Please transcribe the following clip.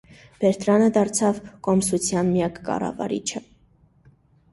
Բերտրանը դարձավ կոմսության միակ կառավարիչը։